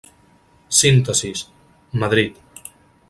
Síntesis, Madrid.